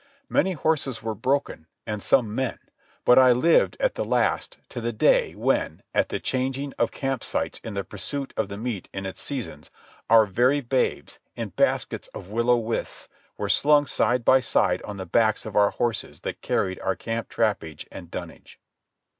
Many horses were broken, and some men, but I lived at the last to the day when, at the changing of camp sites in the pursuit of the meat in its seasons, our very babes, in baskets of willow withes, were slung side and side on the backs of our horses that carried our camp trappage and dunnage.